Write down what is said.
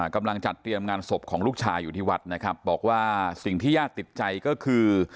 กำลังจัดเตรียมงานศพของลูกชายอยู่ที่วัดนะครับบอกว่าสิ่งที่ญาติติดใจก็คือ